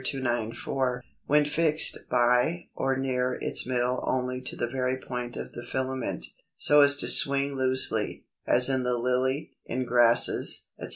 294), when fixed by or near its middle only to the very point of the filament, so as to swing loosely, as in the Lily, in Grasses, etc.